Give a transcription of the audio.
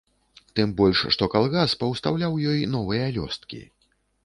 Тым больш што калгас паўстаўляў ёй новыя лёсткі.